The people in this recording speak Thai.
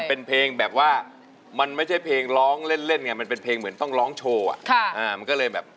มันเป็นเพลงแบบว่ามันไม่ใช่เพลงร้องเล่นเหมือนมีเพลงที่ต้องร้องโชว์อย่างอ้า